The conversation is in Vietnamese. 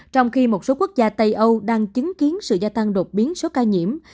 trong khi một số quốc gia tây âu đang chứng kiến sự gia tăng đột biến số ca nhiễm